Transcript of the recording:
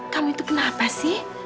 kamu itu kenapa sih